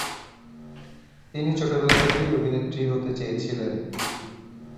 তিনি ছোটবেলা থেকেই অভিনেত্রী হতে চেয়েছিলেন।